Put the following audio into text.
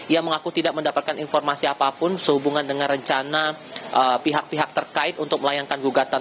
ia mengaku tidak mendapatkan informasi apapun sehubungan dengan rencana pihak pihak terkait untuk melayangkan gugatan